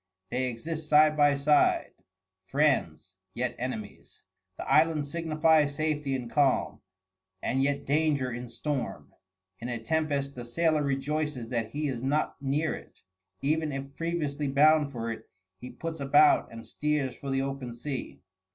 They exist side by side, friends yet enemies. The island signifies safety in calm, and yet danger in storm; in a tempest the sailor rejoices that he is not near it; even if previously bound for it, he puts about and steers for the open sea.